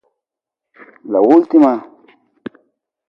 Fue condecorado con la Medalla Polar por sus exploraciones.